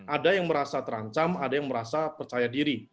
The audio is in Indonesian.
ada yang merasa terancam ada yang merasa percaya diri